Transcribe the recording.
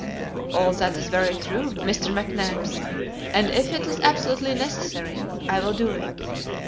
"All that is very true, Mr. McNabbs, and if it is absolutely necessary I will do it.